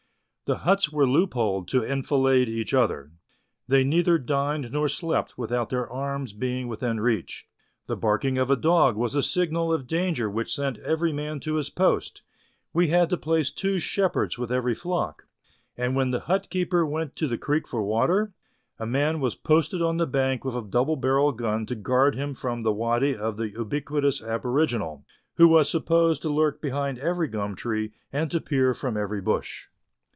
The huts were loopholed to enfilade each other. They neither dined nor slept without their arms being within reach ; the barking of a dog was a signal of danger which sent every man to his post ; we had to place two shepherds with every flock, and when the hut keeper went to the creek for water, a man was posted on the bank with a double barrelled gun to guard him from the waddy of the ubiquitous aboriginal, who was supposed to lurk behind every gum tree and to peer from every bush.